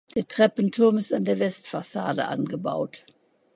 Der Treppenturm ist an der Westfassade angebaut.